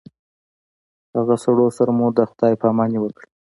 هغه سړو سره مو د خداے په اماني وکړه